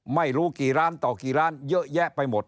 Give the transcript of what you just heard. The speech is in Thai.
ไม่รู้กี่ล้านต่อกี่ล้านเยอะแยะไปหมด